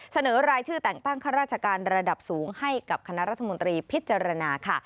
เสนอรายชื่อแต่งตั้งข้าราชการระดับสูงให้กับคณะรัฐมนตรีพิจารณาค่ะ